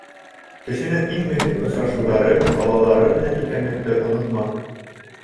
Кешенең иң мөһим осрашыуҙары балалары менән икәнлекте онотма.